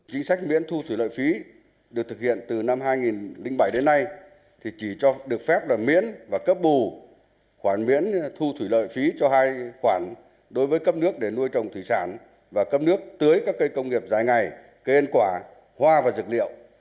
chính sách miễn thu thủy lợi phí được thực hiện từ năm hai nghìn bảy đến nay thì chỉ cho được phép là miễn và cấp bù khoản miễn thu thủy lợi phí cho hai khoản đối với cấp nước để nuôi trồng thủy sản và cấp nước tưới các cây công nghiệp dài ngày cây ăn quả hoa và dược liệu